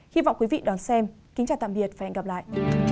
kính chào tạm biệt và hẹn gặp lại